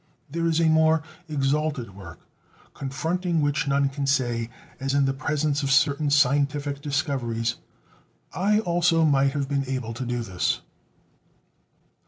There is a more exalted work, confronting which none can say, as in the presence of certain scientific discoveries; "I also might have been able to do this."